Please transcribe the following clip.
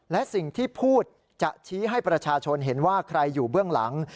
และสิ่งที่พูดจะชี้ให้ประชาชนเห็นว่าใครอยู่เบื้องหลัง